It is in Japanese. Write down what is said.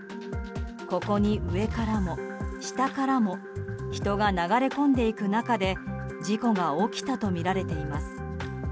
ここに上からも下からも人が流れ込んでいく中で事故が起きたとみられています。